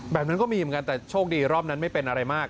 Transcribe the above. แบบนั้นก็มีเหมือนกันแต่โชคดีรอบนั้นไม่เป็นอะไรมาก